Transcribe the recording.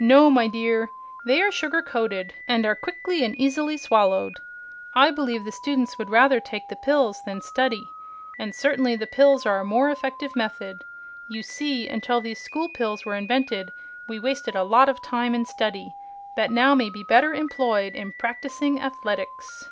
"No, my dear. They are sugar coated and are quickly and easily swallowed. I believe the students would rather take the pills than study, and certainly the pills are a more effective method. You see, until these School Pills were invented we wasted a lot of time in study that may now be better employed in practicing athletics."